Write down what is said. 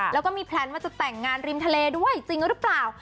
แล้วก็มีแพลนว่าจะแต่งงานริมทะเลด้วยจริงหรือเปล่า